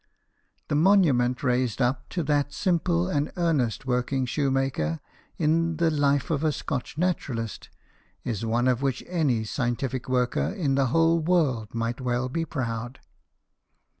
The monument raised up to that simple and earnest working shoemaker in the " Life of a Scotch Naturalist" is one of which any scientific worker in the whole world might well be proud.